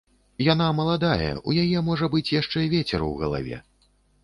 Яна маладая, у яе, можа быць, яшчэ вецер у галаве.